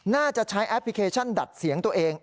น่าจะใช้แอปพลิเคชันดัดเสียงตัวเอง